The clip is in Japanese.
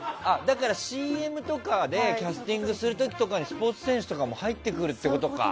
ＣＭとかでキャスティングする時とかにスポーツ選手とかも入ってくるってことか。